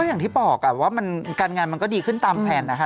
อย่างที่บอกว่าการงานมันก็ดีขึ้นตามแผนนะฮะ